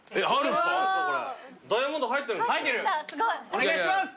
お願いします。